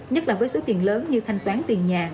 nhất là với số tiền lớn như thanh toán tiền nhà